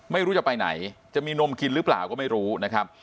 ไม่รู้จะไปไหนจะมีนมกินหรือเปล่าก็ไม่รู้นะครับ